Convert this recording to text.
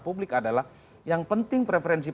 publik adalah yang penting preferensi